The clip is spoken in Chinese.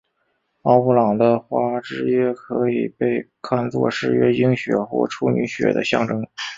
奥布朗的花汁液可以被看做是月经血或处女血的象征。